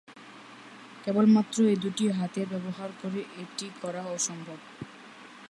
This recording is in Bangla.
কেবলমাত্র এ দুটি হাতিয়ার ব্যবহার করে এটি করা অসম্ভব।